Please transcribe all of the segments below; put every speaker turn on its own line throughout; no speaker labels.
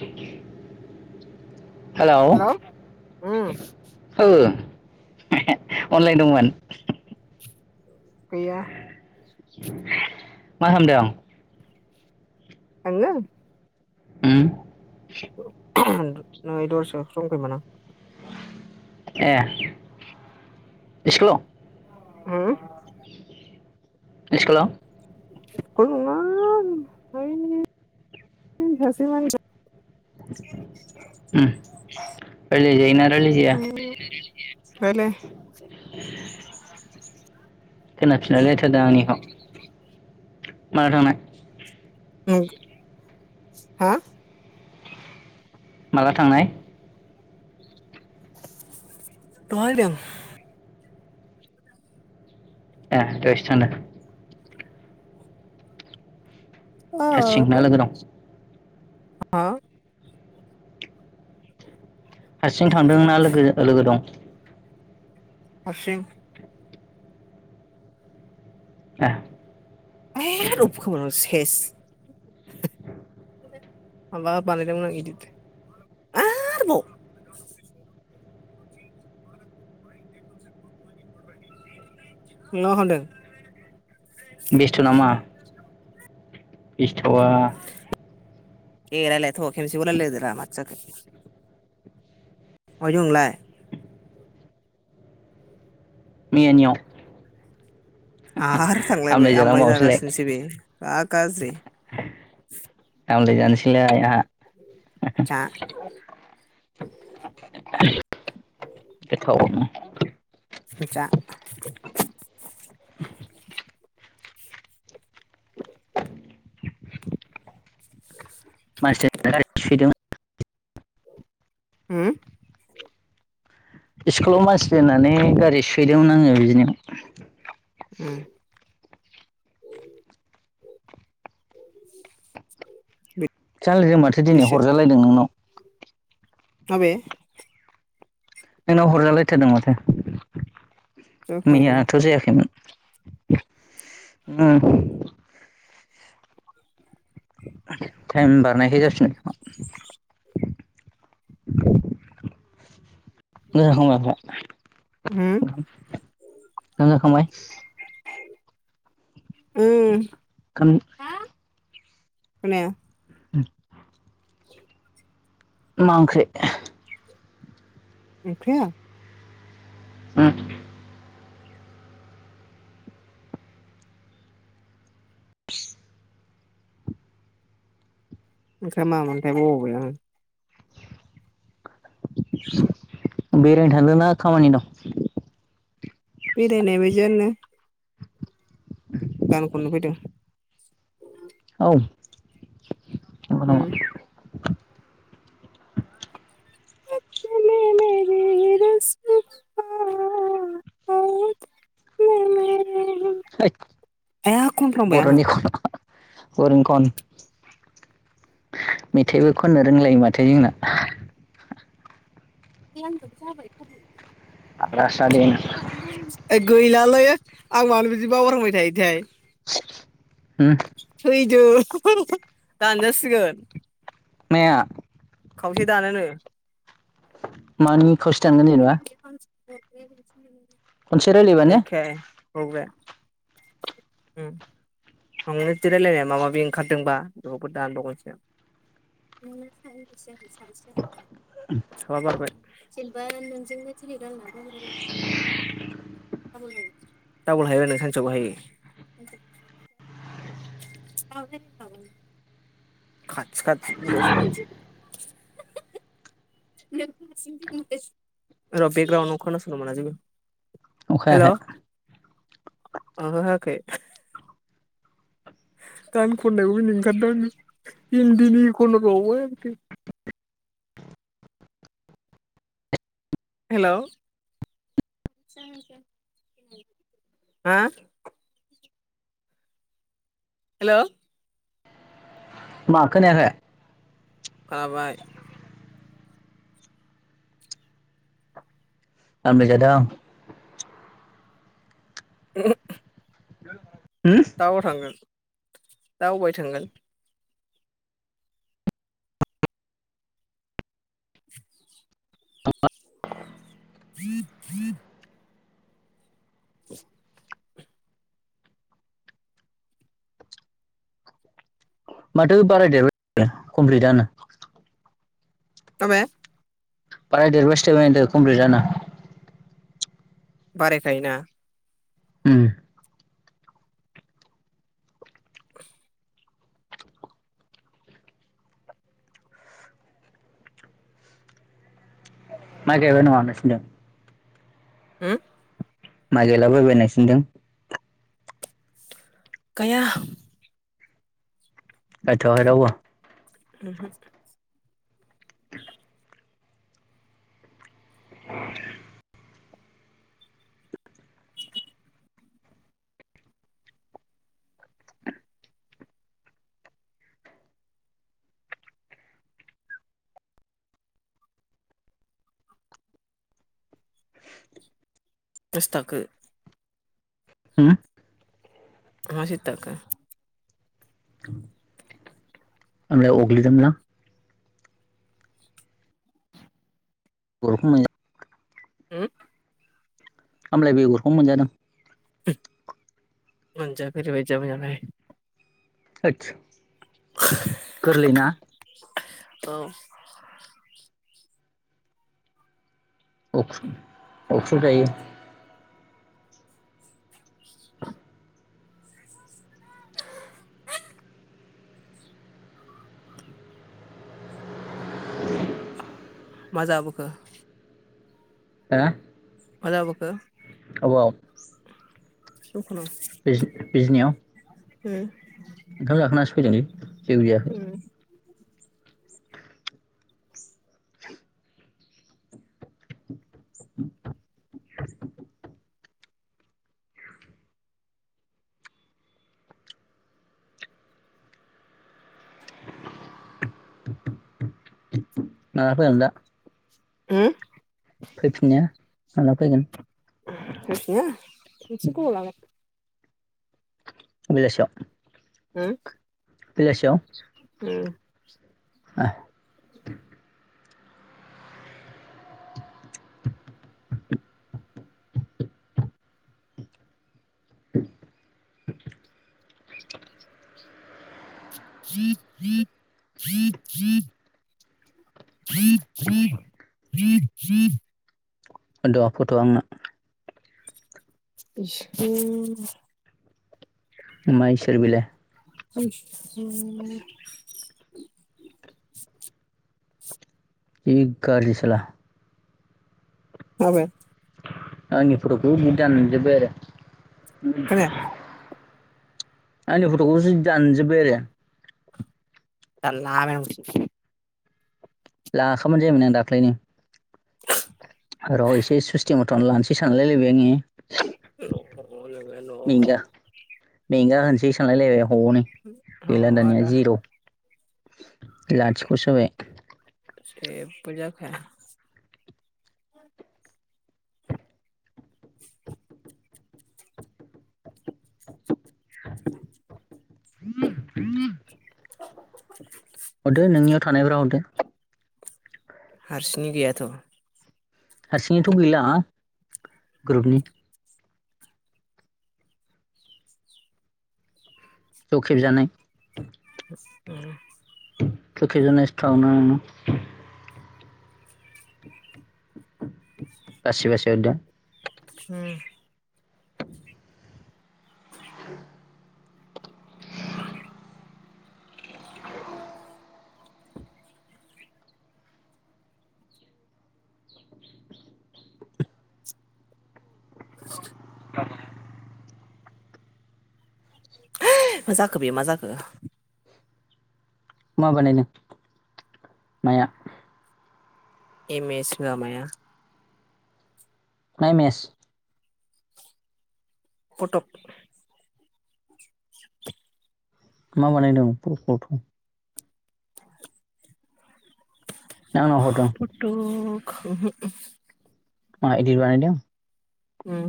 Thank you hello औ।
Hello um
online दंमोन।
गैया
[inaudible] मा खालामदों?
आंङो
उम हुसे
दु नै दसरायावसो दंफैयो मोन आं।
ए स्कुलाव?
ओ
इस्कुलाव?
स्कुल नङा बै नै सासे मानसि ज
उम रायलायजायोना रायलायजाया
[unintelligible] इयेस रायलाय से [unintelligible]
खोना फिनलाय लायथारदों आंनिखौ माहा थांनाय
औ हा
माला थांनाय?
दहाय दों
ए दहायसो थांदो? हारसिं ना लोगो दं?
आ आ
हारसिं थांदोंना लोगोजो लोगो दं?
हारसिं
ए
ए रखौबानो सेस [unintelligible] [unintelligible] माबा बानाय दोंमोन इदिट आरोबाव इसोर बायदि नोंनाव हनदों
बेस्ट' नामा? बेस थ'वा
ए रायलायथ' खेबसेल' रायलाय होदोरा माथो जाखो? महाय दं नोंलाय?
मैयानियाव।
आरो थांलायबाय आमलाय जागासिनोसो बे बा गाज्रि
[unintelligible] आमलाय जानोस सैलाय आहा।
जा उम
[unintelligible] गोथावनो
जा
[unintelligible]
[unintelligible]
[unintelligible]
होम
सस्कुलाव मानसि दोननानै गारि सोहैदोंमोन आङो बिदिनो।
ओम।
सालथैजों माथो दिनै
बिदिसो
हरजालायदों नोंनाव।
माबे?
नोंनाव हरजालायथारदों माथो।
जाखायोना
मैयाथ' जायाखैमोन। ओ। थायेम बारनायखाय जाफिनबाय खोमा। नों जाखांनाय
उम
ओमफ्राय नों जाखांनाय
उम। खोनाया।
[inaudible]
[inaudible]
मा ओंख्रि
ओख्रिया
उम [inaudible]
ओँख्रिया मामोनथाय बावबाय आं।
बेरायनो थांदों ना खामानि दं
बेरायनाय बादियानो। गान खननो फैदों।
औ नंगौ नामा
उम [inaudible] ए
[inaudible]
खनफ्लांबाय आङो
बरनि खन मेथाइबो खननो रोंलायो माथो जोंना।
आंबो जाबायख [unintelligible]
[inaudible]
[inaudible] गैलालै आं मानो बिदि बावगारबाय थायोथाय।
हुम।
[unintelligible]
माया
खावसे दानोनो।
मानि खावसे दानगोन जेेनबा।
[inaudible] [inaudible]
रायलायबानो
उम [unintelligible] रायलायनाया माबा माबि ओंखारदोंबा बेवबो दानबगोनसो [unintelligible] [unintelligible]
अखा हायाखै
मानो हायाखै गान खननायावबो मिनिनो ओंखारदों आंङो इन्दिनि खनबावो आरोखि हेलौ हा हेलौ
मा खोनायाखै
आबाय
आं बेजाय दं
[unintelligible]
[unintelligible]
टावआव थांगोन दा अबाय थांगोन [unintelligible] [unintelligible]
माथो बारायदेरबाय कमप्लिटदानो
माबे
बारायदेरबायसो थाबाय दो कमप्लिटदानो
बारायखायोना
उम माइ गायबायन' नोंसिनिजों
उम
माइ गायलाबायबाय नोंसिनिजों
गाया
गायथ'आखै रावबो
उमहो
[unintelligible]
बेसे थांखो
होम
मा सितथाखो
[unintelligible] आमलाय अगलिदोंमोनलां बरफ फोंनाया
होम
आमलाय बेगरखौनो मोनजादों
[unintelligible] मोनजा फेरबाय जामायाफाय
ओदस गोरलैना
[unintelligible] औ
अख्रु अख्रुबजायो
मा जाबोखो
हो
मा जाबोखो
अबाव
दखानाव
बिजनि बिजनियाव
उम
ओंखाम जाखोनासो फैदोंलै जेबो जायाखै
उम
माला फैगोनदा
होम
फैफिननाया माला फैगोन
सासेया एसे गोबाव लागोन
बेलासेयाव
होम
बेलासेयाव
[unintelligible] [unintelligible]
द फटआ आंनो
इसोर
मा इसोर बिलाय
[inaudible]
जि ग्राजि सोला
खोनाबाय
आंनि फटखौबो नों दानजोब्बाय आरो
खोनाया
[unintelligible] आंनि फटखौसो दानजोब्बाय आरो
[inaudible]
लाखाबायलै आंना दाखलैनो र इसे सस्टिमाव लानोसै सानलायलायबाय आङो
औ
मेंगा
[unintelligible]
मेंगा होनसै सानलायलायबाय हनै गैला
न'
दानिया
आदा
जिर लाथिखसो जाबाय
जेबो जाखाया [unintelligible] [unintelligible]
हरदो नोंनियाव थानायफ्रा हरदो
हारसिंनि गैयाथ
हारसिङैथ गैला ग्रुपनि ज खेबजानाय
औ
[inaudible] बासि बासि हरदो
उम [unintelligible] [unintelligible] मा जाखो बे मा जाखो
न बानाय नो माया
एम एस माबाया
मा मेेज
खटक [inaudible]
मा बानायदों [unintelligible] आंनाव हरदों
फट' [unintelligible]
मा एदि बानायदों
उम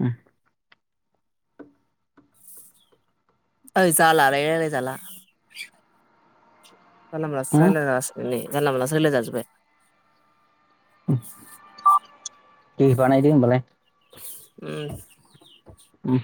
उम
ओइ जालादे रायलाय जाला। जानला मोनलायो रायलायनाय जासिगोन नै जानला मोनलासो रायलाय जाजोबाबाय
दे बानायदो होमबालाय
उम
उम